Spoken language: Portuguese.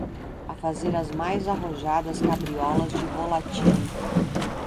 a fazer as mais arrojadas cabriolas de volatim